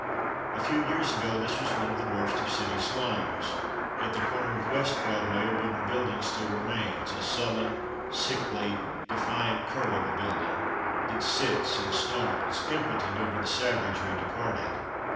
A few years ago this was one of the worst of city slums. At the corner of West Broadway a wooden building still remains a sullen, sickly, defiant cur of a building that sits and snarls impotent over the savagery departed.